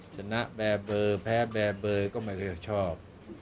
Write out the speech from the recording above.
ชนะแบบเบอร์แพ้แบบเบอร์ก็ไม่เคยชอบ